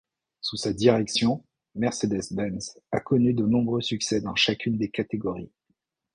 Sous sa direction, Mercedes-Benz a connu de nombreux succès dans chacune des catégories.